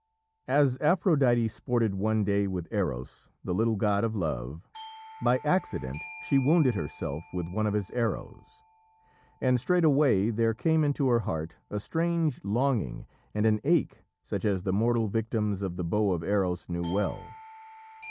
As Aphrodite sported one day with Eros, the little god of love, by accident she wounded herself with one of his arrows. And straightway there came into her heart a strange longing and an ache such as the mortal victims of the bow of Eros knew well.